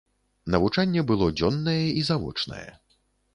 Навучанне было дзённае і завочнае.